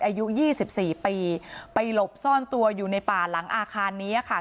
อายุ๒๔ปีไปหลบซ่อนตัวอยู่ในป่าหลังอาคารนี้ค่ะ